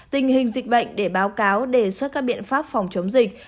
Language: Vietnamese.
tình hình dịch bệnh để báo cáo đề xuất các biện pháp phòng chống dịch